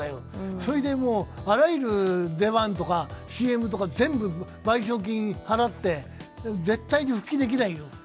それであらゆる出番とかＣＭとか全部賠償金払って絶対に復帰できないよ。